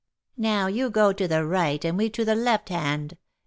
"Now, you go to the right, and we to the left hand.